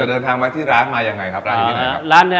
เดินทางมาที่ร้านมายังไงครับร้านอยู่ที่ไหนครับ